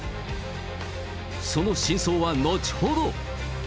その真相は後ほど。